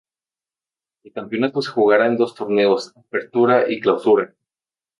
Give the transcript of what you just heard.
El campeonato se jugará en dos torneosː Apertura y Clausura.